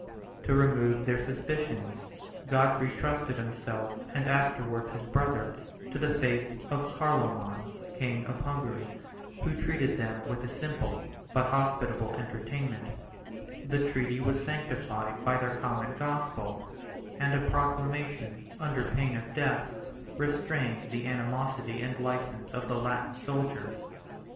To remove their suspicions, Godfrey trusted himself, and afterwards his brother, to the faith of Carloman, 581 king of Hungary, who treated them with a simple but hospitable entertainment: the treaty was sanctified by their common gospel; and a proclamation, under pain of death, restrained the animosity and license of the Latin soldiers.